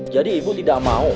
jadi ibu tidak mau